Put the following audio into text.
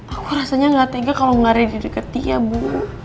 aku rasanya gak tega kalau ngari di deket dia bu